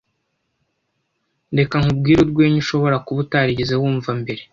Reka nkubwire urwenya ushobora kuba utarigeze wumva mbere.